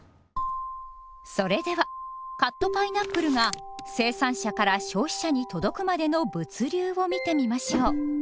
それではカットパイナップルが生産者から消費者に届くまでの物流を見てみましょう。